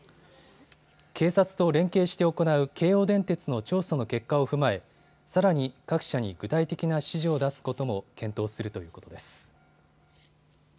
警察と連携して行う京王電鉄の調査の結果を踏まえ、さらに各社に具体的な指示を出すことも検討するということです。